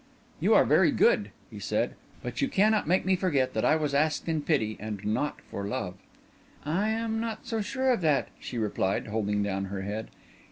"You are very good," he said; "but you cannot make me forget that I was asked in pity and not for love." "I am not so sure of that," she replied, holding down her head.